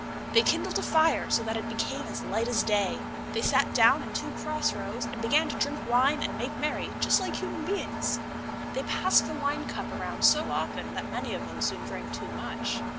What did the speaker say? They kindled a fire, so that it became as light as day. They sat down in two cross rows, and began to drink wine and make merry just like human beings. They passed the wine cup around so often that many of them soon drank too much.